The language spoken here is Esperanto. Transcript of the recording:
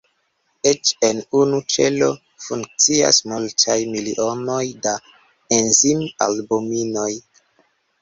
Eĉ en unu ĉelo funkcias multaj milionoj da enzim-albuminoj.